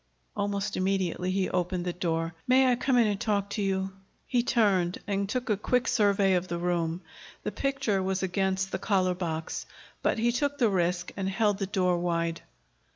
Almost immediately he opened the door. "May I come in and talk to you?" He turned and took a quick survey of the room. The picture was against the collar box. But he took the risk and held the door wide.